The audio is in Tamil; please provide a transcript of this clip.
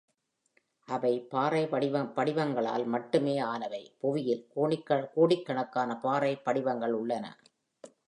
அவை பாறை படிகங்களால் மட்டுமே ஆனவை, புவியில் கோடிக்கணக்கான பாறை படிகங்கள் உள்ளன